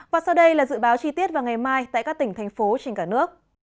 và sau đây là dự báo chi tiết vào ngày mai tại các tỉnh thành phố trên cả nước